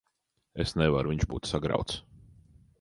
Es nevaru. Viņš būtu sagrauts.